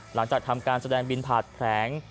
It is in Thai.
หลังจากทำการแสดงบินผ่านแผลง